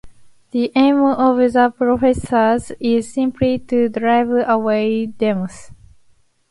The aim of the performers is simply to drive away demons.